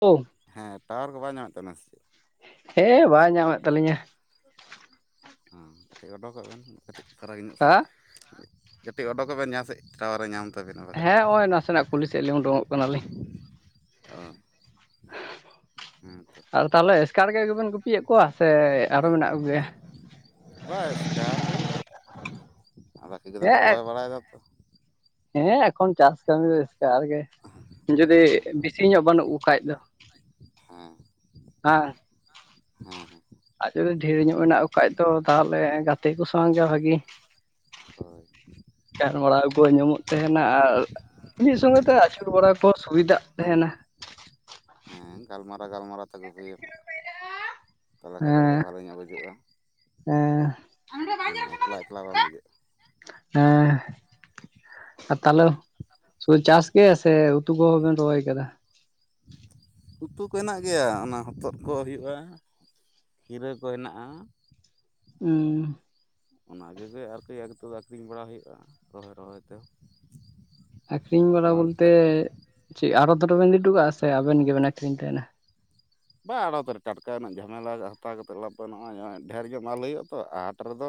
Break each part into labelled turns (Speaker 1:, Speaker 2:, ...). Speaker 1: ᱳ
Speaker 2: ᱦᱮᱸ ᱴᱟᱣᱟᱨ ᱠᱚ ᱵᱟᱭ ᱧᱟᱢᱮᱫ ᱛᱟᱵᱮᱱᱟ ᱥᱮ ᱪᱮᱫ?
Speaker 1: ᱦᱮᱸ ᱵᱟᱭ ᱧᱟᱢᱮᱫ ᱛᱟᱹᱟᱞᱞᱤᱧᱟ
Speaker 2: ᱦᱮᱸ ᱠᱟᱹᱴᱤᱡ ᱚᱰᱚᱠᱚᱜ ᱵᱮᱱ ᱠᱟᱹᱴᱤᱡ ᱯᱷᱟᱨᱟᱠ ᱧᱚᱜ ᱥᱮᱫ
Speaker 1: ᱦᱟ
Speaker 2: ᱠᱟᱹᱴᱤᱡ ᱚᱰᱚᱠᱚᱜ ᱵᱮᱱ ᱡᱟᱦᱟᱸ ᱥᱮᱫ ᱴᱟᱣᱟᱨᱮ ᱧᱟᱢ ᱛᱟᱵᱮᱱᱟ ᱵᱟᱠᱷᱟᱡ
Speaker 1: ᱦᱮᱸ ᱱᱚᱜᱼᱚᱭ ᱱᱟᱥᱮᱱᱟᱜ ᱠᱩᱞᱤ ᱥᱮᱫᱤᱧ ᱩᱰᱩᱠᱚᱜ ᱠᱟᱱᱟᱞᱤᱧ
Speaker 2: ᱟᱻ
Speaker 1: ᱟᱨ ᱛᱟᱞᱮ ᱮᱥᱠᱟᱨ ᱜᱮ ᱜᱮᱵᱮᱱ ᱜᱩᱯᱤᱭᱮᱫ ᱠᱚᱣᱟ ᱥᱮ ᱟᱨᱚ ᱢᱮᱱᱟᱜ ᱠᱚᱜᱮᱭᱟ?
Speaker 2: ᱵᱟᱸ ᱮᱥᱥᱠᱟᱨ ᱜᱮᱤ ᱟ ᱵᱟᱠᱤ ᱠᱚᱫᱚ ᱠᱚ
Speaker 1: ᱦᱮᱸ
Speaker 2: ᱨᱚᱦᱚᱭ ᱵᱟᱲᱟᱭᱮᱫᱟ ᱛᱚ
Speaker 1: ᱦᱮᱸ ᱮᱠᱷᱚᱱ ᱪᱟᱥ ᱠᱟᱹᱢᱤ ᱫᱚ ᱮᱥᱠᱟᱨ ᱜᱮ ᱟᱨ ᱡᱩᱫᱤ
Speaker 2: ᱦᱮᱸ
Speaker 1: ᱵᱮᱥᱤ ᱧᱚᱜ ᱵᱟᱹᱱᱩᱜ ᱠᱷᱟᱡ ᱫᱚ
Speaker 2: ᱦᱮᱸ
Speaker 1: ᱦᱮᱸ
Speaker 2: ᱦᱮᱸ ᱦᱮᱸ
Speaker 1: ᱟᱨ ᱡᱩᱚᱫᱤ ᱰᱷᱮᱨ ᱧᱚᱜ ᱢᱮᱱᱟᱜ ᱠᱚ ᱠᱷᱟ ᱫᱚ ᱛᱟᱞᱮ ᱜᱟᱛᱮ ᱠᱚ ᱥᱟᱶᱜ ᱜᱮ ᱵᱷᱟᱜᱤ
Speaker 2: ᱦᱳᱭ
Speaker 1: ᱜᱟᱱ ᱵᱟᱲᱟᱟᱣ ᱠᱚ ᱧᱟᱢᱚᱜ ᱛᱟᱦᱮᱱᱟ ᱟᱨ ᱢᱤᱫ ᱥᱚᱸᱜᱮ ᱛᱮ ᱟᱹᱪᱩᱨ ᱵᱟᱲᱟ ᱠᱚ ᱥᱩᱵᱤᱫᱟᱜ
Speaker 2: ᱦᱩᱸ
Speaker 1: ᱛᱟᱸᱦᱮᱱᱟ
Speaker 2: ᱦᱮᱸ ᱜᱟᱞᱢᱟᱨᱟᱣ ᱜᱟᱞᱢᱟᱨᱟᱣ ᱛᱮᱜᱩ ᱦᱩᱭᱮᱱᱟ ᱛᱟᱞᱮ ᱠᱷᱟᱱᱡ ᱫᱚ
Speaker 1: ᱦᱮᱸ
Speaker 2: ᱵᱷᱟᱞᱮ ᱜᱮ ᱵᱩᱡᱚᱜᱼᱟ
Speaker 1: [unintelligible]
Speaker 2: ᱢᱟᱱᱮ ᱮᱠᱞᱟ ᱮᱠᱞᱟ ᱵᱟᱝ ᱵᱩᱡᱷᱼᱟ
Speaker 1: ᱮᱸ ᱟᱨ ᱛᱟᱞᱮ ᱥᱩ ᱪᱟᱥ ᱜᱮ ᱥᱮ ᱩᱛᱩ ᱠᱚᱸᱦᱚ ᱵᱮᱱ ᱨᱚᱦᱚᱭ ᱠᱟᱫᱟ?
Speaker 2: ᱩᱛᱩ ᱠᱚ ᱦᱮᱱᱟᱜ ᱜᱮᱭᱟ ᱚᱱᱟ ᱦᱚᱛᱚᱫ ᱠᱚ ᱦᱩᱭᱩᱜᱼᱟ ᱜᱤᱨᱟᱹ ᱠᱚ ᱦᱮᱱᱟᱜᱼᱟ
Speaker 1: ᱩᱸ᱾
Speaker 2: ᱚᱱᱟ ᱠᱚᱜᱮ ᱛᱚ ᱫᱚ ᱟᱹᱠᱷᱨᱤᱧ ᱵᱟᱲᱟ ᱦᱩᱭᱩᱜᱼᱟ ᱨᱚᱦᱚᱭ ᱨᱚᱦᱚᱭ ᱛᱮᱦᱚᱸ᱾
Speaker 1: ᱟᱹᱠᱷᱨᱤᱧ ᱵᱟᱲᱟ ᱵᱚᱞᱛᱮ ᱪᱮᱫ ᱟᱨᱚ ᱫᱷᱚᱨᱟ ᱵᱤᱱ ᱤᱴᱩ ᱠᱚᱜᱼᱟ ᱥᱮ ᱟᱵᱮᱱ ᱜᱮᱵᱮᱱ ᱟᱹᱠᱷᱨᱤᱧ ᱛᱟᱦᱮᱱᱟ᱾
Speaker 2: ᱵᱟ ᱟᱲᱚᱛ ᱨᱮ ᱠᱟᱴᱠᱟ ᱨᱮᱱᱟᱜ ᱡᱷᱟᱢᱮᱞᱟ ᱠᱟᱛᱮᱫ ᱞᱯ ᱱᱚᱜᱼᱚᱭ ᱰᱷᱮᱨ ᱧᱚᱜ ᱢᱟᱞ ᱛᱚ ᱦᱟᱴ ᱨᱮᱫᱚ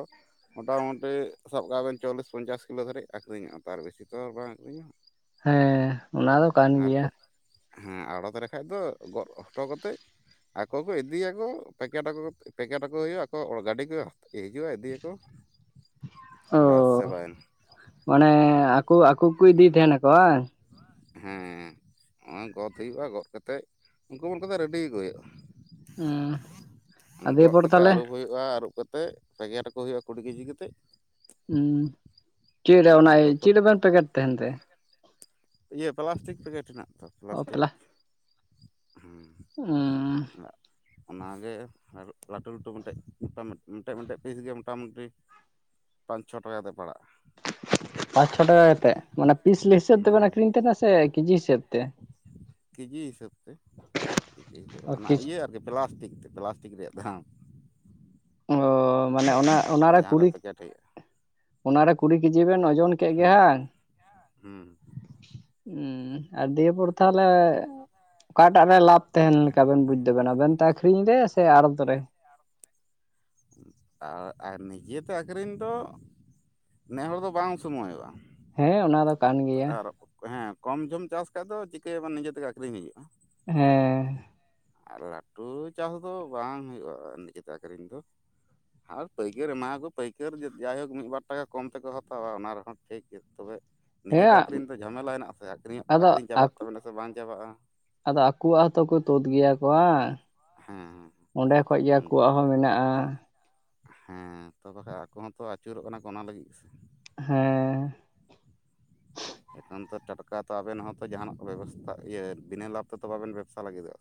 Speaker 2: ᱢᱚᱴᱟ ᱢᱩᱴᱤ ᱥᱟᱵ ᱠᱟᱜᱵᱮᱱ ᱪᱚᱞᱞᱤᱥ ᱯᱚᱧᱪᱟᱥ ᱠᱤᱞᱳ ᱫᱷᱵᱤᱡ ᱟᱹᱠᱷᱨᱤᱧᱚᱜᱼᱟ ᱛᱟᱨ ᱵᱮᱥᱤᱚ ᱵᱟᱝ ᱟᱹᱠᱷᱨᱤᱧᱚᱜ ᱛᱟᱨ ᱵᱮᱥᱤ ᱛᱚ ᱵᱟᱝ ᱟᱹᱠᱷᱨᱤᱧᱚᱜᱼᱟ᱾
Speaker 1: ᱦᱮᱸ ᱚᱱᱟ ᱫᱚ ᱠᱟᱱ
Speaker 2: ᱟᱨ
Speaker 1: ᱜᱮᱭᱟ
Speaker 2: ᱦᱮᱸ ᱟᱲᱚᱛ ᱞᱮ ᱠᱷᱟᱱᱡ ᱫᱚ ᱜᱚᱫ ᱦᱚᱴᱚ ᱠᱟᱛᱮᱫ ᱤᱫᱤᱭᱟᱠᱚ ᱯᱮᱠᱮᱴ ᱟᱠᱚ ᱯᱮᱠᱮᱴ ᱟᱠᱚ ᱦᱩᱭᱩᱜᱼᱟ ᱟᱠᱚ ᱜᱟᱹᱰᱤ ᱠᱚ ᱦᱤᱡᱩᱜᱼᱟ ᱤᱫᱤᱭᱟᱠᱚ᱾
Speaker 1: [unintelligible] ᱚ
Speaker 2: ᱵᱟᱥ ᱪᱟᱵᱟᱭᱮᱱᱟ
Speaker 1: ᱢᱟᱱᱮ ᱟᱠᱚ ᱟᱠᱚ ᱠᱚ ᱤᱫᱤᱭ ᱛᱟᱦᱮᱱᱟᱠᱚ ᱵᱟᱝ᱾
Speaker 2: ᱦᱮᱸ ᱦᱚᱜ ᱚᱭ ᱜᱚᱫ ᱦᱳᱭᱳᱜᱼᱟ ᱜᱚᱫ ᱠᱟᱛᱮᱜ ᱩᱱᱠᱩ ᱵᱚᱞ ᱠᱟᱫᱟ ᱨᱮᱰᱤ ᱟᱹᱜᱩ ᱦᱳᱭᱳᱜᱼᱟ᱾
Speaker 1: ᱦᱩᱸ ᱟᱫᱚ
Speaker 2: ᱜᱚᱫ
Speaker 1: ᱮᱨᱯᱚᱨ
Speaker 2: ᱠᱟᱛᱮ
Speaker 1: ᱛᱟᱦᱚᱞᱮ
Speaker 2: ᱟᱹᱨᱩᱵ ᱦᱳᱭᱳᱜ ᱟ ᱟᱹᱨᱩᱵ ᱠᱟᱛᱮᱜ ᱯᱮᱠᱮᱴ ᱟᱠᱚ ᱦᱩᱭᱩᱜᱼᱟ ᱠᱩᱲᱤ ᱠᱮᱡᱤ ᱠᱟᱛᱮᱜ᱾
Speaker 1: ᱦᱩᱸ ᱪᱮᱫ ᱨᱮ ᱚᱱᱟ
Speaker 2: ᱟᱠᱚ ᱠᱚ
Speaker 1: ᱪᱮᱫ ᱨᱮᱵᱮᱱ ᱯᱮᱠᱮᱴ ᱛᱟᱦᱮᱱ ᱛᱮ?
Speaker 2: ᱤᱭᱟᱹ ᱯᱞᱟᱥᱴᱤᱠ ᱯᱮᱠᱮᱴ ᱦᱮ ᱛᱚ
Speaker 1: ᱚ
Speaker 2: ᱯᱞᱟᱥᱴᱤᱠ᱾
Speaker 1: ᱯᱞᱟ
Speaker 2: ᱦᱩᱸ᱾ ᱚᱱᱟ ᱜᱮ ᱞᱟᱹᱴᱩ ᱞᱟᱹᱴᱩ ᱢᱤᱫᱴᱮᱡ ᱢᱤᱫᱴᱮᱡ ᱢᱮᱴᱮᱱ ᱯᱤᱥ ᱜᱮ ᱢᱚᱴᱟᱢᱩᱴᱤ ᱯᱟᱸᱪ ᱪᱷᱚ ᱴᱟᱠᱟ ᱛᱮ ᱯᱟᱲᱟᱜᱼᱟ᱾
Speaker 1: ᱯᱟᱸᱪ ᱪᱷᱚ ᱴᱟᱠᱟ ᱠᱟᱛᱮᱜ ᱢᱟᱱᱮ ᱦᱤᱥᱟᱹᱵ ᱛᱮᱵᱮᱱ
Speaker 2: ᱦᱩᱸ
Speaker 1: ᱟᱹᱠᱷᱨᱤᱧ ᱛᱟᱦᱮᱱᱟ ᱥᱮ ᱠᱮᱡᱤ ᱦᱤᱥᱟᱹᱵ ᱛᱮ?
Speaker 2: ᱠᱮᱡᱤ ᱦᱤᱥᱟᱹᱵ ᱛᱮ
Speaker 1: ᱚ
Speaker 2: ᱚᱱᱟ
Speaker 1: ᱠᱮᱡᱤ
Speaker 2: ᱤᱭᱟᱹ ᱟᱨᱠᱤ ᱯᱞᱟᱥᱴᱤᱠ ᱛᱮ ᱯᱞᱟᱥ ᱛᱤᱠ ᱨᱮᱭᱟᱜ ᱫᱷᱟᱢ
Speaker 1: ᱚ ᱚᱱᱟ ᱠᱩᱲᱤ
Speaker 2: ᱯᱮᱠᱮᱴ ᱦᱩᱭᱩᱜᱼᱟ
Speaker 1: ᱚᱱᱟᱨᱮ ᱠᱩᱲᱤ ᱠᱮᱡᱤ ᱵᱮᱱ ᱡᱚᱱ ᱠᱮᱫ ᱜᱮ
Speaker 2: ᱦᱩᱸ
Speaker 1: ᱦᱟᱝ᱾
Speaker 2: ᱦᱩᱸ
Speaker 1: ᱦᱩᱸ ᱟᱨ ᱫᱤᱭᱮ ᱯᱚᱨ ᱛᱟᱦᱚᱞᱮ ᱚᱠᱟᱴᱟᱜ ᱨᱮ ᱞᱟᱯ ᱛᱟᱦᱮᱱ ᱞᱮᱠᱟᱵᱮᱱ ᱵᱩᱡ ᱫᱟᱵᱮᱱᱟ ᱟᱵᱮᱱᱛᱮ ᱟᱠᱷᱨᱤᱧ ᱨᱮ ᱥᱮ ᱟᱲᱚᱛ ᱨᱮ?
Speaker 2: ᱟᱨ ᱟᱨ ᱱᱤᱡᱮᱛᱮ ᱟᱹᱠᱷᱨᱤᱧ ᱫᱚ ᱱᱮᱦᱚᱲ ᱫᱚ ᱵᱟᱝ ᱥᱩᱢᱚᱭᱚᱜᱼᱟ᱾
Speaker 1: ᱦᱮᱸ ᱚᱱᱟ ᱫᱚ ᱠᱟᱱ ᱜᱮᱭᱟ᱾
Speaker 2: ᱦᱮᱸ ᱠᱚᱢ ᱪᱟᱥ ᱠᱷᱟᱡ ᱫᱚ ᱪᱤᱠᱟᱹ ᱱᱤᱡᱮ ᱛᱮᱜᱮ ᱟᱹᱠᱷᱨᱤᱧ ᱦᱳᱭᱳᱜᱼᱟ ᱾
Speaker 1: ᱦᱮᱸ᱾
Speaker 2: ᱟᱨ ᱞᱟᱹᱴᱩ ᱪᱟᱥ ᱫᱚ ᱵᱟᱝ ᱦᱩᱭᱩᱜᱼᱟ ᱛᱮ ᱟᱹᱠᱷᱨᱤᱧ ᱫᱚ᱾ ᱟᱨ ᱯᱟᱹᱭᱠᱟᱹᱨ ᱮᱢᱟᱣᱟᱠᱚ ᱯᱟᱹᱭᱠᱟᱹᱨ ᱡᱟᱭᱦᱳᱠ ᱢᱤᱫ ᱵᱟᱨ ᱴᱟᱠᱟ ᱠᱚᱢ ᱛᱮᱠᱚ ᱦᱟᱛᱟᱣᱟ ᱚᱱᱟ ᱨᱮᱦᱚᱸ ᱴᱷᱤᱠ ᱜᱮᱭᱟ ᱛᱚᱵᱮ ᱱᱤᱡᱮ
Speaker 1: ᱦᱮᱸ
Speaker 2: ᱫᱚ ᱟᱹᱠᱷᱨᱤᱧ ᱫᱚ ᱡᱷᱟᱢᱮᱞᱟ ᱦᱮᱱᱟᱜᱼᱟ᱾ ᱥᱮ ᱟᱹᱠᱷᱨᱤᱧ
Speaker 1: ᱟᱫᱚ
Speaker 2: ᱟᱹᱠᱷᱨᱤᱧ ᱪᱟᱵᱟᱜ ᱛᱟᱵᱮᱱᱟ ᱥᱮ ᱵᱟᱝ ᱪᱟᱵᱟᱜᱼᱟ᱾
Speaker 1: ᱟᱫᱚ ᱟᱠᱚᱣᱟᱜ ᱦᱚᱸᱛᱚ ᱠᱚ ᱛᱩᱫ ᱜᱮᱭᱟ ᱠᱚ ᱵᱟᱝ᱾
Speaker 2: ᱦᱮᱸ
Speaker 1: ᱚᱸᱰᱮ ᱠᱷᱚᱡ
Speaker 2: ᱩᱱᱠᱩ
Speaker 1: ᱜᱮᱣᱟᱜ ᱦᱚᱸ ᱢᱮᱱᱟᱜᱼᱟ᱾
Speaker 2: ᱦᱮᱸ ᱛᱚ ᱵᱟᱠᱷᱟᱱ ᱟᱠᱚ ᱦᱚᱸᱛᱚ ᱟᱹᱪᱩᱨᱚᱜ ᱠᱟᱱᱟ ᱠᱚ ᱚᱱᱟ ᱞᱟᱹᱜᱤᱫ ᱥᱮ
Speaker 1: ᱦᱮᱸ᱾
Speaker 2: ᱮᱱᱠᱷᱟᱱ ᱛᱚ ᱴᱟᱴᱠᱟ ᱛᱚ ᱟᱵᱮᱱ ᱦᱚᱸᱛᱚ ᱡᱟᱦᱟᱱᱟᱜ ᱠᱚ ᱵᱮᱵᱚᱥᱛᱟ ᱤᱭᱟᱹ ᱵᱤᱱᱟᱹ ᱞᱟᱵᱷ ᱛᱮᱫᱚ ᱵᱟᱵᱮᱱ ᱵᱮᱵᱽᱥᱟ ᱞᱟᱹᱜᱤᱫᱚᱜᱼᱟ᱾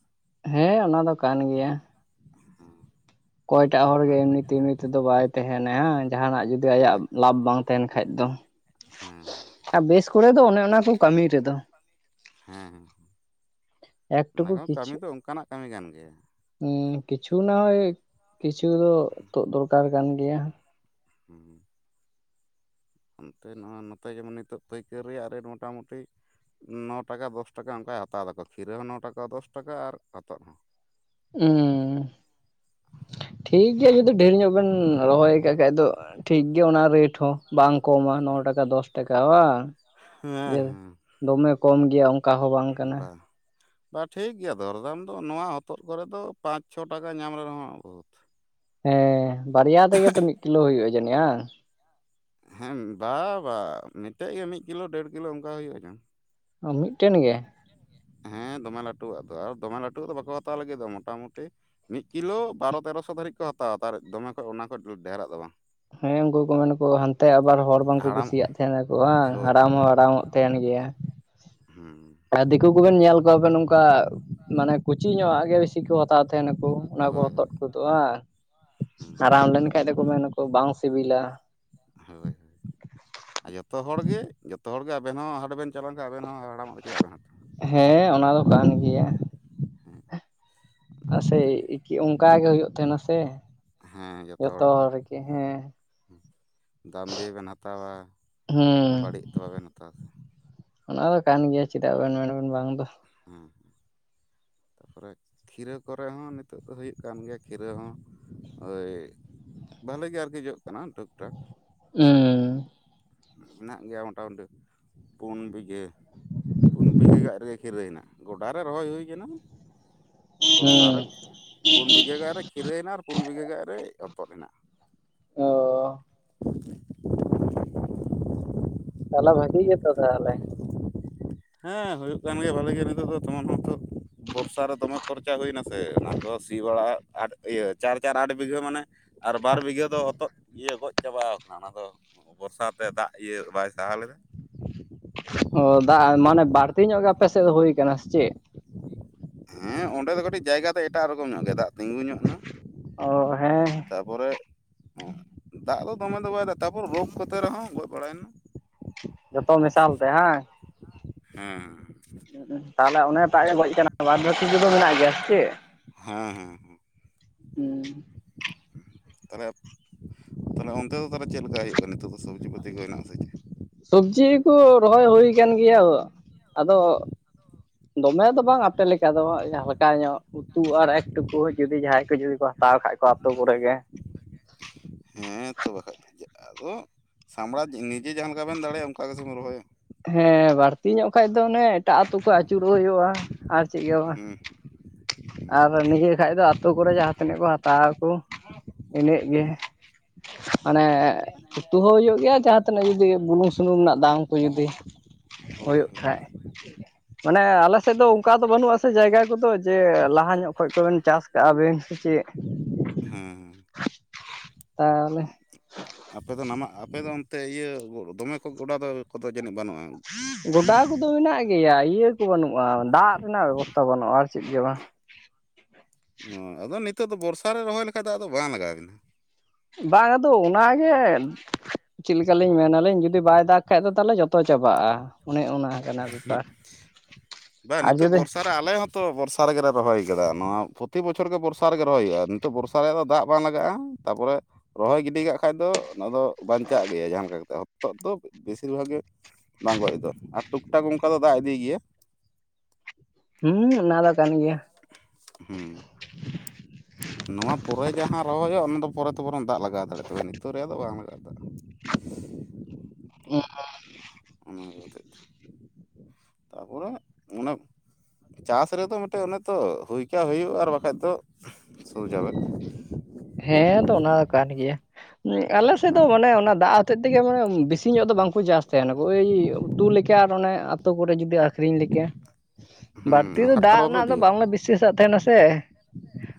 Speaker 1: ᱦᱮᱸ ᱚᱱᱟ ᱫᱚ ᱠᱟᱱ ᱜᱮᱭᱟ᱾
Speaker 2: ᱦᱩᱸ᱾
Speaker 1: ᱚᱠᱚᱭᱴᱟᱜ ᱦᱚᱲ ᱜᱮ ᱮᱢᱱᱤ ᱛᱮᱢᱱᱤ ᱛᱮᱫᱚ ᱵᱟᱭ ᱛᱟᱦᱮᱱᱟ ᱦᱮᱸ ᱡᱟᱦᱟᱱᱟᱜ ᱡᱩ ᱥᱮ ᱟᱭᱟᱜ
Speaker 2: ᱦᱳᱭ
Speaker 1: ᱞᱟᱵᱷᱽ ᱵᱟᱝ ᱛᱟᱦᱮᱱ ᱠᱷᱟᱡ ᱫᱚ᱾
Speaker 2: ᱦᱮᱸ
Speaker 1: ᱟᱨ ᱵᱮᱥ ᱠᱚᱨᱮ ᱫᱚ ᱚᱱᱮ ᱚᱱᱟ ᱠᱚ ᱠᱟᱹᱢᱤ ᱨᱮᱫᱚ
Speaker 2: ᱦᱮᱸ ᱦᱮᱸ ᱚᱱᱟ ᱫᱚ ᱠᱟᱹᱢᱤ ᱫᱚ ᱚᱱᱠᱟᱱᱟᱜ ᱠᱟᱹᱢᱤ ᱠᱟᱱ ᱜᱮᱭᱟ᱾
Speaker 1: ᱦᱮᱸ ᱠᱤᱪᱷᱩ ᱱᱟ ᱦᱚᱭ ᱠᱤᱪᱷᱩ ᱫᱚ ᱛᱳᱫ ᱫᱚᱨᱠᱟᱨ ᱠᱟᱱ ᱜᱮᱭᱟ᱾
Speaker 2: ᱦᱩᱸ ᱦᱩᱸ᱾ ᱚᱱᱛᱮ ᱱᱚᱣᱟᱜ ᱱᱚᱛᱮ ᱡᱮᱢᱚᱱ ᱱᱤᱛᱚᱜ ᱯᱟᱹᱭᱠᱟᱹᱨ ᱨᱮᱭᱟᱜ ᱨᱮᱹᱴ ᱢᱳᱚᱴᱟᱢᱩᱴᱤ ᱱᱚ ᱴᱟᱠᱟ ᱫᱚᱥ ᱴᱟᱠᱟ ᱚᱱᱠᱟᱭ ᱦᱟᱛᱟᱣ ᱫᱟᱠᱚ ᱠᱷᱤᱨᱟᱹ ᱦᱚᱸ ᱱᱚ ᱴᱟᱠᱟ ᱫᱚᱥ ᱴᱟᱠᱟ ᱟᱨ ᱦᱚᱛᱚᱫ ᱦᱚᱸᱰ᱾
Speaker 1: ᱩᱸ᱾ ᱴᱷᱤᱠᱜᱮᱭᱟ ᱡᱩᱫᱤ ᱰᱷᱮᱨ ᱧᱚᱜ ᱵᱮᱱ ᱨᱚᱦᱚᱭ ᱠᱟᱜ ᱠᱷᱟᱡ ᱫᱚ ᱴᱷᱤᱠᱜᱮᱭᱟ ᱚᱱᱟ ᱨᱮᱴ ᱦᱚᱸ᱾ ᱵᱟᱝ ᱠᱚᱢᱟ ᱱᱚ ᱴᱟᱠᱟ ᱫᱚᱥ ᱴᱟᱠᱟ ᱵᱟᱝ᱾
Speaker 2: ᱦᱮᱸ
Speaker 1: ᱡᱮ
Speaker 2: ᱦᱮᱸ
Speaker 1: ᱫᱚᱢᱮ ᱠᱚᱢ ᱜᱮᱭᱟ ᱚᱝᱠᱟ ᱦᱚᱸ ᱵᱟᱝ ᱠᱟᱱᱟ᱾
Speaker 2: ᱵᱟ ᱵᱟ ᱴᱷᱤᱠ ᱜᱮᱭᱟ ᱫᱚᱨᱫᱟᱢ ᱫᱚ ᱱᱚᱣᱟ ᱦᱚᱛᱚᱫ ᱠᱚᱨᱮ ᱫᱚ ᱯᱟᱸᱪ ᱪᱷᱚ ᱴᱟᱠᱟ ᱧᱟᱢ ᱨᱮᱦᱚᱸ ᱵᱚᱦᱩᱛ᱾
Speaker 1: ᱦᱮᱸ ᱵᱟᱨᱭᱟ ᱛᱮᱜᱮ ᱛᱚ ᱢᱤᱫ ᱠᱤᱞᱳ ᱦᱩᱭᱩᱜᱼᱟ ᱡᱟᱹᱱᱤᱡ ᱵᱟᱝ?
Speaker 2: ᱦᱮᱸ ᱵᱟ ᱵᱟᱝ ᱢᱤᱫᱴᱮᱡ ᱜᱮ ᱢᱤᱫ ᱠᱤᱞᱳ ᱰᱮᱲ ᱠᱤᱞᱳ ᱚᱱᱠᱟ ᱦᱩᱭᱩᱜᱼᱟ ᱡᱚᱝ᱾
Speaker 1: ᱢᱤᱫᱴᱮᱱ ᱜᱮ?
Speaker 2: ᱦᱮᱸ ᱫᱚᱢᱮ ᱞᱟᱹᱴᱩᱣᱟᱜ ᱫᱚ ᱟᱨ ᱫᱚᱢᱮ ᱞᱟᱹᱴᱩᱣᱟᱜ ᱫᱚ ᱵᱟᱠᱚ ᱦᱟᱛᱟᱣ ᱞᱟᱹᱜᱤᱫ ᱫᱚ ᱢᱚᱴᱟᱢᱩᱴᱤ ᱢᱤᱫ ᱠᱤᱞᱳ ᱵᱟᱨᱚ ᱛᱮᱨᱚᱥᱚ ᱫᱷᱟᱹᱨᱤᱡ ᱠᱚ ᱦᱟᱛᱟᱣᱟ ᱛᱟᱨ ᱫᱚᱢᱮ ᱠᱷᱚᱡ ᱚᱱᱟ ᱠᱷᱚᱡ ᱰᱷᱮᱨᱟᱜ ᱫᱚ ᱵᱟᱝ᱾
Speaker 1: ᱩᱱᱠᱩ ᱢᱮᱱᱟᱠᱚ ᱦᱟᱱᱛᱮ ᱟᱵᱟᱨ ᱦᱚᱲ ᱵᱟᱝᱠᱚ
Speaker 2: ᱦᱟᱲᱟᱢ
Speaker 1: ᱠᱩᱥᱤᱭᱟᱜ ᱛᱟᱦᱮᱱᱟᱠᱚ ᱵᱟᱝ
Speaker 2: ᱦᱳᱭ
Speaker 1: ᱦᱟᱲᱟᱢ
Speaker 2: ᱦᱳᱭ
Speaker 1: ᱦᱚᱸ ᱦᱟᱲᱟᱢᱚᱜ ᱛᱟᱦᱮᱱ ᱜᱮᱭᱟ᱾
Speaker 2: ᱦᱩᱸ᱾
Speaker 1: ᱟᱨ ᱫᱤᱠᱩ ᱠᱚᱵᱮᱱ ᱧᱮᱞ ᱠᱚᱣᱟᱵᱮᱱ ᱱᱚᱝᱠᱟ ᱢᱟᱱᱮ ᱠᱩᱪᱤ ᱧᱚᱜᱼᱟ ᱜᱮ ᱵᱤᱥᱤ ᱠᱚ ᱦᱟᱛᱟᱣ ᱛᱟᱦᱮᱱᱟᱠᱚ ᱚᱱᱟ ᱠᱚ
Speaker 2: ᱦᱳᱭ ᱦᱳᱭ
Speaker 1: ᱦᱚᱛᱚᱫ ᱠᱚᱫᱚᱜᱼᱟ
Speaker 2: ᱦᱩᱸ
Speaker 1: ᱦᱟᱨᱟᱢ ᱞᱮᱱ ᱵᱟᱠᱷᱟᱡ ᱫᱚᱠᱚ ᱢᱮᱱᱟᱠᱚ ᱵᱟᱝ ᱥᱤᱵᱤᱞᱟ᱾
Speaker 2: ᱦᱳᱭ ᱦᱳᱭ᱾ ᱟᱨ ᱡᱚᱛᱚ ᱦᱚᱲᱜᱮ ᱦᱚᱲᱜᱮ ᱟᱵᱮᱱ ᱦᱚᱸ ᱦᱟᱰᱮᱵᱮᱱ ᱪᱟᱞᱟᱣ ᱞᱮᱱ ᱠᱷᱟᱱ ᱟᱵᱮᱱ ᱦᱚᱸ ᱦᱟᱲᱟᱢ ᱫᱚ ᱪᱮᱫᱟᱜ ᱵᱮᱱ ᱦᱟᱛᱟᱣᱟ᱾
Speaker 1: ᱦᱮᱸ ᱚᱱᱟ ᱫᱚ ᱠᱟᱱ ᱜᱮᱭᱟ᱾
Speaker 2: ᱦᱩᱸ᱾
Speaker 1: ᱟᱨ ᱥᱮ ᱚᱱᱠᱟ ᱜᱮ ᱦᱩᱭᱩᱜ ᱛᱟᱦᱮᱱᱟ ᱥᱮ ᱡᱚᱛᱚ ᱦᱚᱲ ᱨᱮᱜᱮ ᱦᱮᱸ᱾
Speaker 2: ᱦᱩᱸ ᱫᱟᱢ ᱫᱤᱭᱮ ᱵᱮᱱ ᱦᱟᱛᱟᱣᱟ᱾ ᱟᱨ
Speaker 1: ᱦᱩᱸ
Speaker 2: ᱵᱟᱹᱲᱤᱡ ᱫᱚ ᱵᱟᱵᱮᱱ ᱦᱟᱛᱟᱣᱟ ᱥᱮ᱾
Speaker 1: ᱚᱱᱟ ᱫᱚ ᱠᱟᱱ ᱜᱮᱭᱟ ᱪᱮᱫᱟᱜ ᱵᱮᱱ ᱢᱮᱱ ᱵᱮᱱ ᱵᱟᱝ ᱫᱚ᱾
Speaker 2: ᱦᱮᱸ ᱦᱮᱸ ᱛᱟᱯᱚᱨᱮ ᱠᱷᱤᱨᱟᱹ ᱠᱚᱨᱮ ᱦᱚᱸ ᱱᱤᱛᱚᱜ ᱫᱚ ᱦᱩᱭᱩᱜ ᱠᱟᱱ ᱜᱮᱭᱟ ᱠᱷᱤᱨᱟᱹ ᱦᱚᱸ ᱳᱭ ᱵᱷᱟᱹᱞᱮᱜᱮ ᱟᱨᱠᱤ ᱡᱚᱜ ᱠᱟᱱᱟ ᱴᱷᱩᱠ ᱴᱷᱟᱠ᱾
Speaker 1: ᱩᱸ᱾
Speaker 2: ᱦᱮᱱᱟᱜ ᱜᱮᱭᱟ ᱢᱚᱴᱟᱢᱩᱴᱤ ᱯᱳᱱ ᱵᱤᱜᱟᱹ᱾ ᱯᱩᱱ ᱵᱤᱜᱷᱟᱹ ᱜᱟᱜ ᱨᱮᱜᱮ ᱠᱷᱤᱨᱟᱹᱭ ᱦᱮᱱᱜᱟ ᱜᱚᱰᱟᱨ ᱨᱮ ᱨᱚᱦᱚᱭ ᱦᱳᱭ ᱠᱟᱱᱟ᱾ ᱵᱚᱨᱥᱟᱨ
Speaker 1: ᱦᱩᱸ
Speaker 2: ᱨᱮ ᱯᱩᱱ ᱵᱤᱜᱷᱟᱹ ᱜᱟᱱ ᱨᱮ ᱠᱷᱤᱨᱟᱹᱭ ᱦᱮᱱᱟ ᱟᱨ ᱯᱩᱱ ᱵᱤᱜᱷᱟᱹ ᱜᱟᱱ ᱨᱮ ᱦᱚᱛᱚᱫ ᱦᱮᱱᱟᱜᱼᱟ᱾
Speaker 1: ᱚ᱾ ᱛᱟᱦᱟᱞᱮ ᱵᱷᱟᱹᱜᱤ ᱜᱮ ᱛᱚ ᱛᱟᱦᱟᱞᱮ᱾
Speaker 2: ᱦᱮᱸ ᱦᱳᱭᱳᱜ ᱠᱟᱱ ᱜᱮᱭᱟ ᱵᱷᱟᱹᱞᱤ ᱜᱮ ᱱᱤᱛᱳ ᱫᱚ ᱵᱚᱨᱥᱟ ᱨᱮ ᱫᱚᱢᱮ ᱠᱷᱚᱨᱪᱟ ᱦᱩᱭᱱᱟ ᱥᱮ ᱚᱱᱟ ᱠᱚ ᱥᱤ ᱵᱟᱲᱟ ᱤᱭᱟᱹ ᱪᱟᱨ ᱪᱟᱨ ᱟᱴ ᱵᱤᱜᱷᱟᱹ ᱢᱟᱱᱮ ᱟᱨ ᱵᱟᱨ ᱵᱤᱜᱷᱟᱹ ᱫᱚ ᱦᱚᱛᱚᱫ᱾ ᱤᱭᱟᱹ ᱜᱚᱡ ᱪᱟᱵᱟ ᱠᱟᱱᱟ ᱚᱱᱟ ᱫᱚ ᱵᱚᱨᱥᱟ ᱛᱮ ᱫᱟᱜ ᱤᱭᱟᱹ ᱵᱟᱭ ᱥᱟᱦᱟᱣ ᱞᱮᱫᱟ᱾
Speaker 1: ᱚ ᱫᱟᱜ ᱢᱟᱱᱮ ᱵᱟᱹᱲᱛᱤ ᱧᱚᱜ ᱜᱮ ᱟᱯᱮ ᱥᱮᱜ ᱫᱚ ᱦᱳᱭᱠᱟᱱᱟ ᱥᱮ ᱪᱮᱜ?
Speaker 2: ᱦᱮᱸ ᱚᱸᱰᱮ ᱫᱚ ᱠᱟᱹᱴᱤᱡ ᱡᱟᱭᱜᱟ ᱫᱚ ᱮᱴᱟᱜ ᱨᱚᱠᱚᱢ ᱧᱚᱜ ᱜᱮᱭᱟ ᱫᱟᱜ ᱛᱤᱸᱜᱩ ᱧᱚᱜ ᱱᱟ᱾
Speaker 1: ᱚ ᱦᱮᱸ
Speaker 2: ᱛᱟᱯᱚᱨᱮ ᱫᱟᱜ ᱫᱚ ᱫᱚᱢᱮ ᱫᱚ ᱵᱟᱭ ᱫᱟ ᱛᱟᱯᱚᱨ ᱨᱳᱜᱽ ᱠᱚᱛᱮ ᱨᱮᱦᱚᱸ ᱜᱚᱡ ᱵᱟᱲᱟᱭᱱᱟ᱾
Speaker 1: ᱡᱚᱛᱚ ᱢᱮᱥᱟᱞ ᱛᱮ ᱦᱟᱝ᱾
Speaker 2: ᱦᱚᱸ᱾
Speaker 1: ᱦᱩᱸᱜ ᱩᱸ ᱛᱟᱦᱚᱞᱮ ᱚᱱᱮ ᱴᱟᱜ ᱮ ᱜᱚᱡ ᱠᱟᱱᱟ ᱵᱟᱫ ᱵᱟᱠᱤ ᱠᱚᱫᱚ ᱢᱮᱱᱟᱜ ᱜᱮᱭᱟ ᱥᱮ ᱪᱮᱜ?
Speaker 2: ᱦᱮᱸ ᱦᱮᱸ ᱦᱮᱸ᱾
Speaker 1: ᱦᱩᱸ᱾
Speaker 2: ᱛᱟᱦᱚᱸᱞᱮ ᱛᱟᱦᱚᱸᱞᱮ ᱚᱱᱛᱮ ᱫᱚ ᱛᱟᱦᱚᱸᱞᱮ ᱪᱮᱫ ᱞᱮᱠᱟ ᱦᱩᱭᱩᱜ ᱠᱟᱱᱟ ᱱᱤᱛᱳᱜ ᱫᱚ ᱥᱚᱵᱽᱡᱤ ᱯᱟᱹᱛᱤ ᱠᱚ ᱦᱮᱱᱟᱜ ᱟᱥ ᱪᱮᱫ?
Speaker 1: ᱥᱚᱵᱽᱡᱤ ᱠᱚ ᱨᱚᱦᱚᱭ ᱦᱩᱭ ᱟᱠᱟᱱ ᱜᱮᱭᱟ ᱟᱫᱚ ᱫᱚᱢᱮ ᱫᱚ ᱵᱟᱝ ᱟᱯᱮ ᱞᱮᱠᱟ ᱫᱚ, ᱦᱟᱞᱠᱟ ᱧᱚᱜ᱾ ᱟᱹᱛᱩ ᱟᱨ ᱮᱠ ᱴᱩᱠᱩ ᱡᱩᱫᱤ ᱡᱟᱦᱟᱸᱭ ᱠᱚ ᱡᱩᱫᱤ ᱠᱚ ᱦᱟᱛᱟᱣ ᱠᱷᱟᱡ ᱠᱚ ᱟᱛᱳ ᱠᱚᱨᱮ ᱜᱮ᱾
Speaker 2: ᱦᱮᱸ ᱛᱚ ᱵᱟᱠᱷᱟᱡ ᱫᱚ ᱪᱮᱫ᱾ ᱟᱫᱚ ᱥᱟᱢᱲᱟ ᱱᱤᱡᱮ ᱡᱟᱦᱟᱸ ᱞᱮᱠᱟ ᱵᱮᱱ ᱫᱟᱲᱮᱭᱟᱜ-ᱟ ᱚᱱᱠᱟ ᱜᱮᱥᱮ ᱵᱮᱱ ᱨᱚᱦᱚᱭᱟ᱾
Speaker 1: ᱦᱮᱸ ᱵᱟᱹᱲᱛᱤ ᱧᱚᱜ ᱠᱷᱟᱡ ᱫᱚ ᱚᱱᱮ ᱮᱴᱟᱜ ᱟᱛᱳ ᱠᱷᱚᱡ ᱟᱹᱪᱩᱨᱚᱜ ᱦᱩᱭᱩᱜ-ᱟ ᱟᱨ ᱪᱮᱫ ᱜᱮ ᱵᱟᱝ᱾
Speaker 2: ᱦᱩᱸ
Speaker 1: ᱟᱨ
Speaker 2: ᱦᱩᱸ
Speaker 1: ᱱᱤᱭᱟᱹ ᱠᱷᱟᱡ ᱫᱚ ᱟᱛᱳ ᱠᱚᱨᱮ ᱡᱟᱦᱟᱸ ᱛᱤᱱᱟᱹᱜ ᱠᱚ ᱦᱟᱛᱟᱣᱟ ᱠᱚ ᱤᱱᱟᱹᱜ ᱜᱮ᱾
Speaker 2: ᱦᱩᱸ
Speaker 1: ᱢᱟᱱᱮ
Speaker 2: ᱦᱩᱸ
Speaker 1: ᱩᱛᱩ ᱦᱚᱸ ᱦᱩᱭᱩᱜ ᱜᱮᱭᱟ ᱡᱟᱦᱟᱸ ᱛᱤᱱᱟᱹᱜ ᱡᱩᱫᱤ ᱵᱩᱞᱩᱝ ᱥᱩᱱᱩᱢ ᱨᱮᱱᱟᱜ ᱫᱟᱢ ᱠᱚ ᱡᱩᱫᱤ᱾
Speaker 2: ᱦᱳᱭ
Speaker 1: ᱦᱳᱭᱳᱜ
Speaker 2: ᱦᱳᱭ
Speaker 1: ᱠᱷᱟᱡ, ᱢᱟᱱᱮ ᱟᱞᱮ ᱥᱮᱫ ᱫᱚ ᱚᱱᱠᱟ ᱫᱚ ᱵᱟᱹᱱᱩᱜ-ᱟᱥᱮ ᱡᱟᱭᱜᱟ ᱠᱚᱫᱚ ᱡᱮ ᱞᱟᱦᱟ ᱧᱚᱜ ᱠᱷᱚᱡ ᱠᱚ ᱵᱮᱱ ᱪᱟᱥ ᱠᱟᱜ-ᱟ ᱵᱮᱱ ᱥᱮ ᱪᱮᱫ᱾
Speaker 2: ᱦᱩᱸᱻ᱾
Speaker 1: ᱛᱟᱦᱚᱸᱞᱮ,
Speaker 2: ᱟᱯᱮ ᱫᱚ ᱱᱟᱢᱟᱜ ᱟᱯᱮᱫᱚ ᱚᱱᱛᱮ ᱤᱭᱟᱹ ᱫᱚᱢᱮ ᱠᱚ ᱜᱚᱰᱟ ᱫᱚ ᱠᱚᱫᱚ ᱡᱟᱹᱱᱤᱡ ᱵᱟᱹᱱᱩᱜ-ᱟ᱾
Speaker 1: ᱜᱚᱰᱟ ᱠᱚᱫᱚ ᱢᱮᱱᱟᱜ ᱜᱮᱭᱟ ᱤᱭᱟ ᱠᱚ ᱵᱟᱹᱱᱩᱜ-ᱟ ᱫᱟᱜ ᱨᱮᱱᱟᱜ ᱵᱮᱵᱚᱥᱛᱟᱷᱟ ᱵᱟᱹᱱᱩᱜ-ᱟ ᱟᱨ ᱪᱮᱫ ᱜᱮ ᱵᱟᱝᱺ
Speaker 2: ᱚ ᱟᱫᱚ ᱱᱤᱛᱚᱜ ᱫᱚ ᱵᱚᱨᱥᱟ ᱨᱮ ᱨᱚᱦᱚᱭ ᱞᱮᱠᱟ ᱫᱟᱜ ᱫᱚ ᱵᱟᱝ ᱞᱟᱜᱟᱣ ᱠᱟᱱᱟ᱾
Speaker 1: ᱵᱟᱝ ᱟᱫᱚ ᱚᱱᱟᱜᱮ ᱪᱮᱫ ᱞᱮᱠᱟᱞᱤᱧ ᱢᱮᱱᱟ ᱞᱤᱧ ᱡᱩᱫᱤ ᱵᱟᱭ ᱫᱟᱜ ᱵᱟᱠᱷᱟᱡ ᱫᱚ ᱛᱟᱦᱚᱸᱞᱮ ᱡᱚᱛᱚ ᱪᱟᱵᱟᱜ-ᱟ ᱚᱱᱮ ᱚᱱᱟ᱾ ᱠᱟᱱᱟ
Speaker 2: ᱦᱩᱸ
Speaker 1: ᱵᱮᱯᱟᱨ
Speaker 2: ᱵᱟᱝ
Speaker 1: ᱟᱨ
Speaker 2: ᱱᱤᱛᱚᱜ
Speaker 1: ᱡᱩᱫᱤ
Speaker 2: ᱵᱚᱨᱥᱟ ᱟᱞᱮ ᱦᱚᱸᱛᱚ ᱵᱚᱨᱥᱟ ᱨᱮᱜᱮ ᱨᱚᱦᱚᱭ ᱟᱠᱟᱫᱟ ᱱᱚᱣᱟ ᱯᱨᱚᱛᱤ ᱵᱚᱪᱷᱚᱨ ᱜᱮ ᱵᱚᱨᱥᱟ ᱨᱮᱜᱮ ᱨᱚᱦᱚᱭ ᱦᱩᱭᱩᱜ-ᱟ ᱱᱤᱛᱚᱜ ᱵᱚᱨᱥᱟ- ᱦᱟᱥᱟᱨᱮ ᱫᱚ ᱫᱟᱜ ᱵᱟᱝ ᱞᱟᱜᱟᱜ-ᱟ ᱛᱟᱯᱚᱨᱮ᱾ ᱨᱚᱦᱚᱭ ᱜᱤᱰᱤ ᱠᱟᱜ ᱠᱷᱟᱡ ᱫᱚ ᱚᱱᱟ ᱫᱚ ᱵᱟᱧᱪᱟᱜ ᱜᱮᱭᱟ ᱡᱟᱦᱟᱸ ᱞᱮᱠᱟ ᱠᱟᱛᱮᱫ ᱦᱚᱫ ᱫᱚ ᱵᱮᱥᱤᱨ ᱵᱷᱟᱜᱽ ᱜᱮ᱾ ᱵᱟᱝ ᱜᱚᱡ ᱦᱚᱫᱚ ᱟ, ᱟᱨ ᱴᱩᱠ ᱴᱟᱠ ᱚᱱᱠᱟ ᱫᱚ ᱫᱟᱜ ᱤᱫᱤᱭ ᱜᱮᱭᱟ᱾
Speaker 1: ᱦᱩᱸ ᱚᱱᱟ ᱫᱚ ᱠᱟᱱ ᱜᱮᱭᱟ᱾
Speaker 2: ᱦᱩᱸ᱾
Speaker 1: [inaudible]
Speaker 2: ᱱᱚᱣᱟ ᱯᱚᱨᱮ ᱡᱟᱦᱟᱸ ᱨᱚᱦᱚᱭ ᱦᱩᱭᱩᱜ-ᱟ ᱚᱱᱟ ᱫᱚ ᱯᱚᱨᱮ ᱛᱮ ᱵᱚᱨᱚᱝ ᱫᱟᱜ ᱞᱟᱜᱟᱣ ᱫᱟᱲᱮᱜ-ᱟ ᱛᱚᱵᱮ ᱱᱤᱛᱚᱜ ᱨᱮᱭᱟᱜ ᱫᱚ ᱵᱟᱝ ᱞᱟᱜᱟᱜ-ᱟ ᱫᱟᱜ᱾
Speaker 1: ᱩᱻ᱾
Speaker 2: ᱚᱱᱟ ᱦᱚᱛᱮᱡ ᱛᱮ, ᱛᱟᱯᱚᱨᱮ ᱚᱱᱟ ᱮ ᱪᱟᱥ ᱨᱮᱫᱚ ᱢᱤᱫᱴᱮᱡ ᱚᱱᱮᱛ, ᱦᱩᱭ ᱠᱷᱟᱡ ᱦᱩᱭᱩᱜ-ᱟ ᱟᱨ ᱵᱟᱠᱷᱟᱡ ᱫᱚ ᱥᱩᱨ ᱡᱟᱵᱮ
Speaker 1: ᱦᱮᱸ ᱛᱚ ᱚᱱᱟ ᱫᱚ ᱠᱟᱱ ᱜᱮᱭᱟ, ᱟᱞᱮ ᱥᱮᱫ ᱫᱚ
Speaker 2: ᱦᱮᱸ
Speaker 1: ᱢᱟᱱᱮ ᱚᱱᱟ ᱫᱟᱜ ᱦᱚᱸᱛᱮᱡ ᱛᱮᱜᱮ ᱢᱟᱱᱮ ᱵᱮᱥᱤ ᱧᱚᱜ ᱫᱚ ᱵᱟᱝᱠᱚ ᱪᱟᱥ ᱛᱟᱭᱟ ᱱᱩᱠᱩ ᱳᱭ ᱩᱛᱩ ᱞᱮᱠ ᱪᱮ ᱟᱨ ᱚᱱᱮ ᱟᱹᱛᱩ ᱠᱚᱨᱮ ᱡᱩᱫᱤ ᱟᱹᱷᱨᱤᱧ ᱞᱮᱠᱟ᱾ ᱵᱟᱹᱲᱛᱤ
Speaker 2: ᱦᱮᱸ
Speaker 1: ᱫᱚ
Speaker 2: ᱦᱟᱴ
Speaker 1: ᱫᱟᱜ
Speaker 2: ᱠᱚᱫᱚ ᱵᱟᱯᱮ
Speaker 1: ᱨᱮᱱᱟᱜ ᱫᱚ
Speaker 2: ᱤᱫᱤᱭᱟ
Speaker 1: ᱵᱟᱝᱞᱮ ᱵᱤᱥᱥᱟᱹᱥᱟᱜ ᱛᱟᱦᱮᱸᱱᱟ ᱥᱮ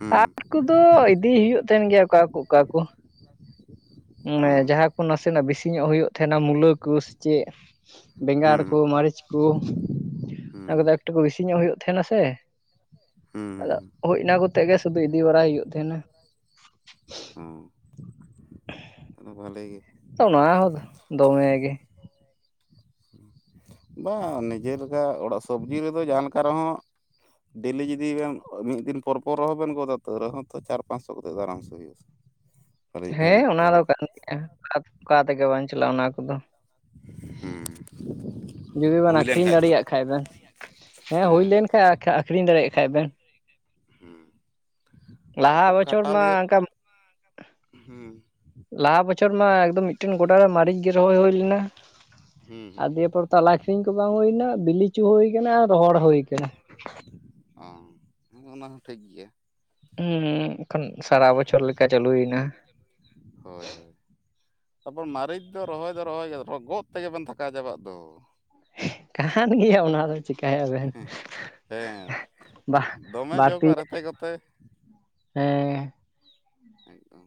Speaker 2: ᱦᱮᱸ
Speaker 1: ᱟᱨ ᱩᱱᱠᱩ ᱫᱚ ᱤᱫᱤ ᱦᱩᱭᱩᱜ ᱛᱟᱦᱮᱸᱱ ᱜᱮᱭᱟ ᱚᱠᱟ ᱠᱚ ᱚᱠᱟ ᱠᱚ᱾ ᱚᱱᱮ
Speaker 2: ᱦᱮᱸ
Speaker 1: ᱡᱟᱦᱟᱸ ᱠᱚ ᱱᱟᱥᱮᱱᱟᱜ ᱵᱮᱥᱤ ᱧᱚᱜ ᱦᱩᱭᱩᱜ ᱛᱟᱦᱮᱸᱱᱟ ᱢᱩᱞᱟᱹ ᱠᱚ ᱥᱮ ᱪᱮᱫ᱾ ᱵᱮᱸᱜᱟᱲ
Speaker 2: ᱦᱮᱸ
Speaker 1: ᱠᱚ ᱢᱟᱹᱨᱤᱪ ᱠᱚ, ᱚᱱᱟ
Speaker 2: ᱦᱮᱸ
Speaker 1: ᱠᱚᱫᱚ ᱮᱠ ᱴᱩᱠᱩ ᱵᱤᱥᱤ ᱧᱚᱜ ᱦᱩᱭᱩᱜ ᱛᱟᱦᱮᱸᱱᱟ ᱥᱮ᱾
Speaker 2: ᱦᱮᱸ
Speaker 1: ᱟᱫᱚ ᱦᱳᱭ ᱚᱱᱟ ᱠᱚᱛᱮ ᱜᱮ ᱥᱩᱫᱩ ᱤᱫᱤ ᱵᱟᱲᱟᱭ ᱦᱩᱭᱩᱜ ᱛᱟᱦᱮᱸᱱᱟ
Speaker 2: ᱦᱩ ᱛᱟᱦᱚᱸᱞᱮ ᱵᱷᱟᱞᱮ ᱜᱮ᱾
Speaker 1: ᱥᱚᱱᱟ ᱦᱳᱜ ᱫᱚᱢᱮ ᱜᱮ᱾
Speaker 2: ᱵᱟᱝ ᱱᱤᱡᱮ ᱞᱮᱠᱟ ᱚᱲᱟᱜ ᱥᱚᱵᱽᱡᱤ ᱨᱮ ᱫᱚ ᱡᱟᱦᱟ ᱞᱮᱠᱟ ᱨᱮ ᱦᱚᱸ᱾ ᱰᱮᱞᱤ ᱡᱩᱫᱤ ᱵᱮᱱ ᱢᱤᱫ ᱫᱤᱱ ᱯᱚᱨ ᱯᱚᱨ ᱨᱮᱦᱚᱸ ᱵᱮᱱ ᱜᱚᱫᱟ ᱛᱳᱣ ᱨᱮᱦᱚᱸ ᱛᱚ ᱪᱟᱨ ᱯᱟᱸᱪᱥᱚ ᱠᱟᱛᱮ ᱟᱨᱟᱢ ᱥᱮ ᱦᱩᱭᱩᱜ-ᱟ᱾
Speaker 1: ᱦᱮᱸ ᱚᱱᱟ ᱫᱚ ᱠᱟᱱ ᱜᱮᱭᱟ ᱚᱠᱟ ᱛᱮᱜᱮ ᱵᱟᱝ ᱪᱟᱞᱟᱜᱼᱟ ᱚᱱᱟ ᱠᱚᱫᱚ ᱾
Speaker 2: ᱦᱩᱸ᱾
Speaker 1: ᱡᱩᱫᱤ ᱵᱮᱱ
Speaker 2: ᱦᱩᱭ ᱞᱮᱱ
Speaker 1: ᱟᱹᱠᱷᱨᱤᱧ
Speaker 2: ᱠᱷᱟᱡ ᱫᱚ
Speaker 1: ᱫᱟᱲᱮᱭᱟᱜ ᱠᱷᱟᱱ ᱵᱮᱱ ᱦᱮᱸ ᱦᱳᱭ ᱞᱮᱱ ᱠᱷᱟᱡ ᱠᱷᱟᱜ ᱟᱹᱠᱷᱨᱤᱧ ᱫᱮᱭᱟᱜ ᱠᱷᱟᱡ ᱵᱮᱱ᱾
Speaker 2: ᱦᱩᱸ᱾
Speaker 1: ᱞᱟᱦᱟ ᱵᱚᱪᱷᱚᱨ ᱢᱟ ᱚᱝᱠᱟ
Speaker 2: ᱦᱩᱸ᱾
Speaker 1: ᱞᱟᱦᱟ ᱵᱚᱪᱷᱚᱨ ᱢᱟ ᱮᱠᱫᱚᱢ ᱢᱤᱫᱴᱮᱱ ᱜᱚᱰᱟ ᱨᱮ ᱢᱟᱹᱨᱤᱪ ᱜᱮ ᱨᱚᱦᱚᱭ ᱦᱩᱭ ᱞᱮᱱᱟ
Speaker 2: ᱦᱩᱸ ᱦᱩᱸ
Speaker 1: ᱫᱤᱭᱮ ᱯᱚᱨ ᱛᱟᱞᱟ ᱟᱠᱷᱟᱨᱤᱧ ᱠᱚ ᱵᱟᱝ ᱦᱩᱭᱱᱟ ᱵᱤᱞᱤᱪᱩ ᱦᱩᱭ ᱟᱠᱟᱱᱟ ᱟᱨ ᱨᱚᱦᱚᱲ ᱦᱳᱭ ᱠᱟᱱᱟ᱾
Speaker 2: ᱚ ᱦᱮᱸ ᱚᱱᱟ ᱦᱚᱸ ᱴᱷᱤᱠ ᱜᱮᱭᱟ᱾
Speaker 1: ᱦᱩᱸ᱾ ᱮᱠᱷᱚᱱ ᱥᱟᱨᱟ ᱵᱚᱪᱷᱚᱨ ᱞᱮᱠᱟ
Speaker 2: ᱥᱟᱨᱟ ᱵᱚᱪᱷᱚᱨ
Speaker 1: ᱪᱟᱹᱞᱩᱭᱮᱱᱟ
Speaker 2: ᱪᱟᱹᱭ ᱫᱟ ᱦᱳᱭ ᱦᱳᱭ᱾ ᱛᱟᱨᱯᱚᱨ ᱢᱟᱹᱨᱤᱪ ᱫᱚ ᱨᱚᱦᱚᱭ ᱫᱚ ᱨᱚᱦᱚᱭ ᱜᱮ ᱟᱨ ᱜᱚᱫ ᱛᱮᱜᱮᱵᱮᱱ ᱛᱷᱟᱠᱟ ᱡᱟᱵᱟᱜ ᱫᱚ᱾
Speaker 1: ᱠᱟᱱ ᱜᱮᱭᱟ ᱚᱱᱟ ᱫᱚ ᱪᱤᱠᱟᱹᱭᱟ ᱵᱮᱱ᱾
Speaker 2: ᱦᱮᱸ ᱫᱚᱢᱮ ᱡᱚᱜ ᱟᱨ ᱨᱮᱛᱮ-ᱠᱚᱛᱮ᱾
Speaker 1: ᱦᱮᱸ᱾
Speaker 2: ᱮᱠᱫᱚᱢ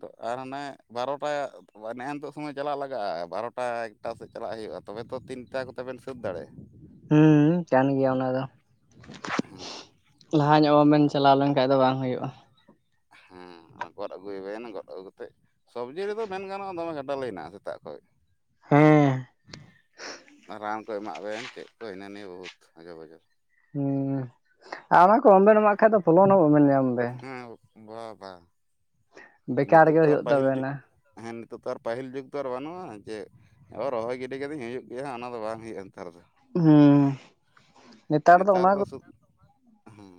Speaker 2: ᱛᱚ ᱟᱨ ᱦᱟᱱᱮ ᱵᱟᱨᱚᱴᱟ ᱛᱚᱵᱚᱱᱮ ᱱᱤᱛᱳᱜ ᱥᱚᱢᱚᱭ ᱪᱟᱞᱟᱜ ᱞᱟᱜᱟᱜᱼᱟ ᱵᱟᱨᱚᱴᱟ ᱮᱠᱴᱟ ᱥᱮᱫ ᱪᱟᱞᱟᱜ ᱦᱳᱭᱳᱜᱼᱟ ᱛᱚᱵᱮ ᱛᱚ ᱛᱤᱱᱴᱟ ᱠᱚᱛᱮ ᱵᱮᱱ ᱥᱟᱹᱛ ᱫᱟᱲᱮᱭᱟᱜᱼᱟ᱾
Speaker 1: ᱦᱩᱸ ᱠᱟᱱ ᱜᱮᱭᱟ ᱚᱱᱟ ᱫᱚ᱾
Speaker 2: ᱦᱮᱸ
Speaker 1: ᱞᱟᱦᱟ ᱧᱚᱜ ᱚᱢ
Speaker 2: ᱛᱟᱯᱚᱨ
Speaker 1: ᱪᱟᱞᱟᱣ ᱞᱮᱱᱠᱷᱟᱱᱡ ᱫᱚ ᱵᱟᱝ ᱦᱳᱭᱳᱜᱼᱟ᱾
Speaker 2: ᱦᱮᱸ ᱜᱚᱫ ᱟᱹᱜᱩᱭᱵᱮᱱ ᱜᱚᱫ ᱟᱹᱜᱩ ᱠᱟᱛᱮᱜ ᱥᱚᱵᱽᱡᱤ ᱨᱮᱫᱚ ᱢᱮᱱ ᱜᱟᱱᱚᱜᱼᱟ ᱫᱚᱢᱮ ᱜᱟᱰᱟᱞᱟᱹᱭᱮᱱᱟ ᱥᱮᱛᱟᱜ᱾ ᱦᱳᱭ᱾
Speaker 1: ᱦᱮᱸ
Speaker 2: ᱨᱟᱱ ᱠᱚ ᱮᱢᱟᱜ ᱵᱮᱱ ᱪᱮᱜ ᱠᱚ ᱦᱤᱱᱟᱹ ᱱᱤᱭᱟᱹ ᱵᱚᱦᱩᱛ ᱦᱚᱡᱚ-ᱵᱚᱡᱚ᱾
Speaker 1: ᱦᱮᱸ ᱠᱚ ᱚᱢᱵᱮᱱ ᱮᱢᱟᱜ ᱠᱷᱟᱡ ᱫᱚ ᱯᱷᱚᱞᱚᱱ ᱦᱚᱸ ᱚᱢᱵᱮᱱ ᱧᱟᱢ ᱵᱮᱱ᱾
Speaker 2: ᱦᱮᱸ ᱵᱟ ᱵᱟ᱾
Speaker 1: ᱵᱮᱠᱟᱨ
Speaker 2: ᱱᱤᱛᱚᱜ
Speaker 1: ᱜᱮ
Speaker 2: ᱛᱚ ᱟᱨ
Speaker 1: ᱦᱩᱭᱩᱜ
Speaker 2: ᱯᱟᱹᱦᱤᱞ ᱡᱩᱜᱽ
Speaker 1: ᱛᱟᱵᱮᱱᱟ
Speaker 2: ᱦᱮᱸ ᱱᱤᱛᱚᱜ ᱛᱚ ᱟᱨ ᱯᱟᱹᱦᱤᱞ ᱡᱩᱜᱽ ᱫᱚ ᱟᱨ ᱵᱟᱹᱱᱩᱜᱼᱟ ᱡᱮ ᱚ ᱨᱚᱦᱚᱭ ᱜᱤᱰᱤ ᱠᱟᱫᱟᱹᱧ ᱦᱤᱡᱩᱜ ᱜᱮᱭᱟ ᱦᱟᱸᱜ ᱚᱱᱟ ᱫᱚ ᱵᱟᱝ ᱦᱩᱭᱩᱜᱼᱟ ᱱᱮᱛᱟᱨ ᱫᱚ᱾
Speaker 1: ᱦᱩᱸ᱾
Speaker 2: ᱱᱮᱛᱟᱨ ᱫᱚ ᱥᱩᱫ ᱦᱩᱸ᱾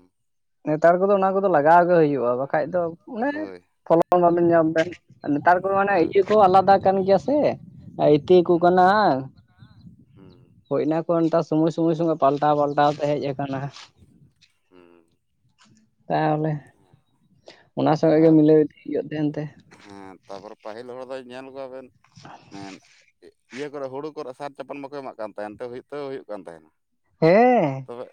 Speaker 1: ᱱᱮᱛᱟᱨ ᱠᱚᱫᱚ ᱚᱱᱟ ᱠᱚᱫᱚ ᱞᱟᱜᱟᱣ ᱵᱟᱠᱷᱟᱡ ᱫᱚ ᱦᱩᱭᱩᱜᱼᱟ ᱫᱚ ᱚᱱᱮ
Speaker 2: ᱦᱳᱭ
Speaker 1: ᱯᱷᱚᱞᱚᱱ ᱵᱟᱵᱮᱱ ᱧᱟᱢ ᱵᱮᱱ ᱱᱮᱛᱟᱨ ᱠᱚ ᱢᱟᱱᱮ
Speaker 2: ᱵᱟ
Speaker 1: ᱤᱭᱟᱹ ᱠᱚ ᱟᱞᱟᱫᱟ ᱠᱟᱱ ᱜᱮᱭᱟ ᱥᱮ᱾ ᱟ ᱮᱠᱤᱠᱩ
Speaker 2: ᱦᱩᱸ
Speaker 1: ᱠᱟᱱᱟ ᱦᱟᱝ᱾
Speaker 2: ᱦᱩᱸ
Speaker 1: ᱦᱳᱭ ᱮᱱᱟ ᱠᱚ ᱥᱚᱢᱚᱭ ᱥᱚᱢᱚᱭ ᱥᱚᱸᱜᱮ ᱯᱟᱞᱴᱟᱣ ᱯᱟᱞᱴᱟᱣ ᱛᱮ ᱦᱮᱡ ᱠᱟᱱᱟ᱾
Speaker 2: ᱦᱩᱸ᱾
Speaker 1: ᱛᱟᱦᱚᱞᱮ ᱚᱱᱟ ᱥᱚᱸᱜᱮ ᱜᱮ
Speaker 2: ᱟᱨ
Speaker 1: ᱢᱤᱞᱟᱹᱵᱤᱛ ᱦᱩᱭᱩᱜ ᱛᱟᱦᱮᱱ ᱛᱮ᱾
Speaker 2: ᱦᱮᱸ ᱛᱟᱯᱚᱨᱮ ᱯᱟᱹᱦᱤᱞ ᱦᱚᱲ ᱫᱚ ᱧᱮᱞ ᱠᱚᱣᱟᱵᱮᱱ
Speaker 1: [unintelligible]
Speaker 2: ᱢᱟᱱᱮ ᱤᱭᱟᱹ ᱠᱚᱨᱮ ᱦᱩᱲᱩ ᱠᱚᱨᱮ ᱥᱟᱨ ᱪᱟᱯᱟᱱ ᱵᱟᱠᱚ ᱮᱢᱟᱜ ᱠᱟᱱ ᱛᱟᱦᱮᱱᱛᱮ ᱛᱟᱹᱣ ᱦᱳᱭᱳᱜ ᱠᱟᱱ ᱛᱟᱦᱮᱱᱟ᱾
Speaker 1: ᱦᱮᱸ᱾
Speaker 2: ᱛᱚᱵᱮ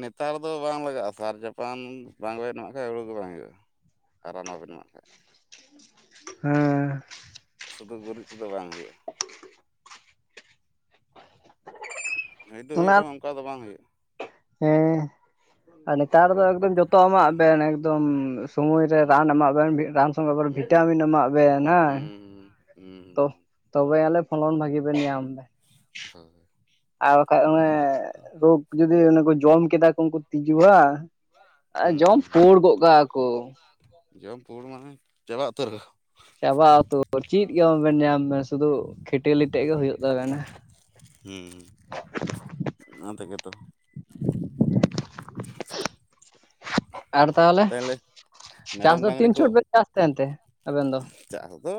Speaker 2: ᱱᱮᱛᱟᱨ ᱫᱚ ᱵᱟᱝ ᱞᱟᱜᱟᱜᱼᱟ ᱥᱟᱨ ᱪᱟᱯᱟᱱ ᱵᱟᱝᱜ ᱮᱢ ᱠᱷᱟᱱᱡ ᱦᱩᱲᱩ ᱫᱚ ᱵᱟᱝ ᱦᱳᱭᱳᱜᱼᱟ ᱾ [unintelligible] ᱠᱷᱟᱡ
Speaker 1: ᱦᱮᱸ᱾
Speaker 2: ᱥᱩᱫᱩ ᱜᱩᱨᱤᱡ ᱛᱮᱫᱚ ᱵᱟᱝ ᱦᱳᱭᱳᱜᱼᱟ ᱾ ᱦᱳᱭ ᱫᱚ ᱦᱳᱭᱳᱜ
Speaker 1: ᱚᱱᱟ
Speaker 2: ᱨᱮᱦᱚᱸ ᱚᱝᱠᱟ ᱫᱚ ᱵᱟᱝ ᱦᱳᱭᱳᱜᱼᱟ ᱾
Speaker 1: ᱦᱮᱸ᱾ ᱟᱨ ᱱᱮᱛᱟᱨ ᱫᱚ
Speaker 2: ᱨᱳᱜᱽ ᱠᱚ
Speaker 1: ᱮᱠᱫᱚᱢ ᱡᱚᱛᱚ ᱮᱢᱟᱜ
Speaker 2: ᱦᱩᱸ
Speaker 1: ᱵᱮᱱ ᱮᱠᱫᱚᱢ ᱥᱚᱢᱚᱭ ᱨᱮ
Speaker 2: ᱦᱩᱸ
Speaker 1: ᱨᱟᱱ ᱮᱢᱟᱜ ᱵᱮᱱ ᱢᱤᱫ ᱨᱟᱱ ᱥ ᱟᱵᱟᱨ
Speaker 2: ᱦᱩᱸ
Speaker 1: ᱵᱷᱤᱴᱟᱢᱤᱱ ᱮᱢᱟᱜ ᱵᱮᱱ ᱦᱮᱸ᱾
Speaker 2: ᱦᱩᱸ ᱦᱩᱸ
Speaker 1: ᱚ
Speaker 2: ᱦᱩᱸ
Speaker 1: ᱛᱚᱵᱮ ᱟᱞᱮ ᱯᱷᱚᱞᱚᱱ ᱵᱷᱟᱹᱜᱤ ᱵᱮᱱ ᱧᱟᱢᱫᱟ᱾
Speaker 2: ᱦᱳᱭ
Speaker 1: ᱟᱨ ᱵᱟᱠᱷᱟ ᱚᱱᱮ
Speaker 2: ᱟᱨ ᱵᱟᱠᱷᱟᱡ ᱫᱚ
Speaker 1: ᱨᱳᱜᱽ᱾ ᱡᱩᱫᱤ ᱚᱱᱮ ᱠᱚ ᱡᱚᱢ ᱠᱮᱫᱟ ᱠᱚ ᱩᱱᱠᱩ ᱛᱤᱡᱩᱣᱟ, ᱟᱨ
Speaker 2: ᱦᱩᱸ
Speaker 1: ᱡᱚᱢ
Speaker 2: ᱦᱩᱸ ᱦᱩᱸ
Speaker 1: ᱯᱩᱲ ᱜᱚᱜ ᱠᱟᱜ-ᱟ ᱠᱚ᱾
Speaker 2: ᱡᱚᱢ ᱯᱩᱲ ᱢᱟᱱᱮ ᱪᱟᱵᱟ ᱩᱛᱟᱹᱨᱚᱜ-ᱟ᱾
Speaker 1: ᱪᱟᱵᱟ ᱩᱛᱟᱹᱨ ᱪᱮᱫ ᱜᱮᱵᱮᱱ ᱧᱟᱢ ᱵᱮᱱ ᱥᱩᱫᱷᱩ ᱠᱷᱮᱴᱞᱤ ᱛᱮᱫ ᱜᱮ ᱦᱩᱭᱩᱜ ᱛᱟᱵᱮᱱᱟ᱾
Speaker 2: ᱦᱩᱸᱻ᱾ ᱚᱱᱟ ᱛᱮᱜᱮ ᱛᱚ᱾
Speaker 1: ᱟᱨ ᱛᱟᱦᱚᱸᱞᱮ
Speaker 2: ᱛᱟᱦᱚᱞᱮ
Speaker 1: ᱪᱟᱥ
Speaker 2: ᱢᱮᱨᱚᱢ
Speaker 1: ᱫᱚ
Speaker 2: ᱰᱟᱝᱨᱤ
Speaker 1: ᱛᱤᱱ
Speaker 2: ᱠᱚ
Speaker 1: ᱪᱷᱚᱴ ᱵᱮᱱ ᱪᱟᱥ ᱛᱟᱦᱮᱹᱱ ᱛᱮ ᱟᱵᱮᱱ ᱫᱚ᱾
Speaker 2: ᱪᱟᱥ ᱫᱚ᱾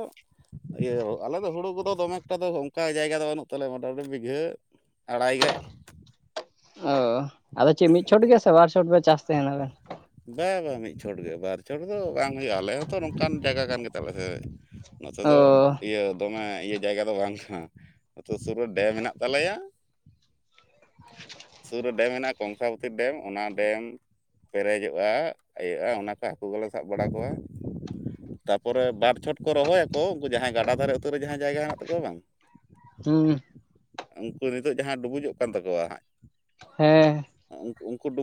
Speaker 2: ᱤᱭᱟᱹ ᱟᱞᱮ ᱫᱚ ᱦᱩᱲᱩ ᱠᱚᱫᱚ ᱫᱚᱢᱮᱠᱴᱟ ᱫᱚ ᱚᱱᱠᱟ ᱡᱟᱭᱜᱟ ᱫᱚ ᱵᱟᱹᱱᱩᱜ ᱛᱟᱞᱮᱭᱟ ᱢᱚᱴᱟᱢᱩᱴᱤ ᱵᱤᱜᱷᱟᱹ᱾ ᱟᱲᱟᱭ ᱜᱮᱡ
Speaker 1: ᱚᱻ ᱟᱫᱚ ᱪᱮᱫ ᱢᱤᱫ ᱪᱷᱚᱴ ᱜᱮ,
Speaker 2: ᱫᱚᱢᱮ
Speaker 1: ᱥᱮ ᱵᱟᱨ ᱪᱷᱚᱴ ᱵᱮ ᱪᱟᱥ ᱛᱟᱦᱮᱸ ᱱᱟᱵᱮᱱ
Speaker 2: ᱵᱟᱝ ᱵᱟᱝ ᱢᱤᱫ ᱪᱷᱚᱴ ᱜᱮ ᱵᱟᱨ ᱪᱷᱚᱴ ᱫᱚ ᱵᱟᱝ ᱦᱩᱭᱩᱜ-ᱟ ᱟᱞᱮ ᱦᱚᱸᱛᱚ ᱱᱚᱝᱠᱟᱱ ᱡᱟᱭᱜᱟ ᱠᱟᱱ ᱜᱮᱛᱟᱞᱮ ᱥᱮ᱾ ᱱᱚᱛᱮ
Speaker 1: ᱚ
Speaker 2: ᱫᱚ ᱤᱭᱟᱹ ᱫᱚᱢᱮ ᱤᱭᱟᱹ᱾ ᱡᱟᱭᱜᱟ ᱫᱚ ᱵᱟᱝ ᱠᱟᱱᱟ, ᱟᱹᱛᱩ ᱥᱩᱨ ᱨᱮ ᱰᱮᱢ ᱢᱮᱱᱟᱜ ᱛᱟᱞᱮᱭᱟ᱾ ᱥᱩᱨ ᱨᱮ ᱰᱮᱢ ᱢᱮᱱᱟᱜ-ᱟ ᱠᱚᱝᱥᱟᱵᱚᱛᱤ ᱰᱮᱢ ᱚᱱᱟ ᱰᱮᱢ ᱯᱮᱨᱮᱡᱽ-ᱟ ᱤᱭᱟᱹᱜ-ᱟ ᱚᱱᱟ ᱠᱚ ᱨᱮ ᱦᱟᱹᱠᱩ ᱠᱚᱞᱮ ᱥᱟᱵᱽ ᱵᱟᱲᱟ ᱠᱚᱣᱟ᱾ ᱛᱟᱯᱚᱨᱮ ᱵᱟᱨ ᱪᱷᱚᱴ ᱠᱚ ᱨᱚᱦᱚᱭᱟᱠᱚ ᱩᱱᱠᱩ ᱡᱟᱦᱟᱸᱭ ᱜᱟᱰᱟ ᱫᱷᱟᱨᱮ ᱩᱛᱟᱹᱨᱮ ᱡᱟᱦᱟᱸᱭ ᱡᱟᱭᱜᱟ ᱦᱮᱱᱟᱜ ᱛᱟᱠᱚᱣᱟ ᱵᱟᱝ,
Speaker 1: ᱦᱩᱸ᱾
Speaker 2: ᱩᱱᱠᱩ ᱱᱤᱛᱚᱜ ᱡᱟᱦᱟᱸ ᱰᱩᱵᱩᱡᱚᱜ ᱠᱟᱱ ᱛᱟᱠᱚᱣᱟ ᱦᱟᱸᱜ᱾
Speaker 1: ᱦᱮᱸ,
Speaker 2: ᱩᱝᱠᱩ ᱩᱱᱠᱩ ᱰᱩ